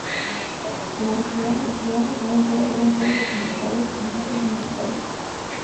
En adelante, los programas que se presentaron fueron documentales, dibujos animados y musicales.